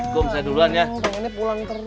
pengennya pulang terus